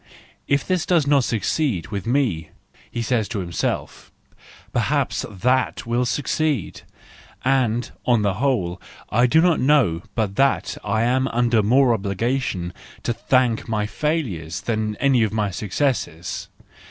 " If this does not succeed with 238 THE JOYFUL WISDOM, IV me," he says to himself, " perhaps that will succeed ; and on the whole I do not know but that I am under more obligation to thank my failures than any of my successes.